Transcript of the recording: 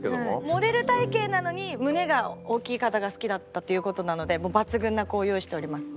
モデル体形なのに胸が大きい方が好きだったという事なのでもう抜群な子を用意しております。